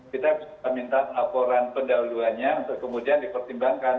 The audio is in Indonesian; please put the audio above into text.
kita bisa minta laporan pendahuluannya untuk kemudian dipertimbangkan